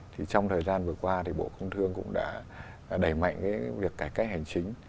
thì trong thời gian vừa qua thì bộ công thương cũng đã đẩy mạnh cái việc cải cách hành chính